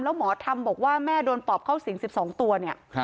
แล้วหมอธรรมบอกว่าแม่โดนปอบเข้าสิง๑๒ตัวเนี่ย